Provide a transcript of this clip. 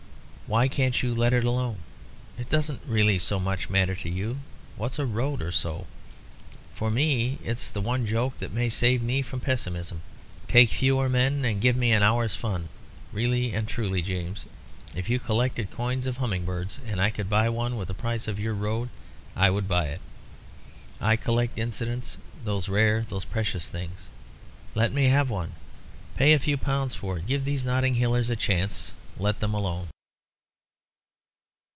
Why can't you let it alone? It doesn't really so much matter to you what's a road or so? For me it's the one joke that may save me from pessimism. Take fewer men and give me an hour's fun. Really and truly, James, if you collected coins or humming birds, and I could buy one with the price of your road, I would buy it. I collect incidents those rare, those precious things. Let me have one. Pay a few pounds for it. Give these Notting Hillers a chance. Let them alone."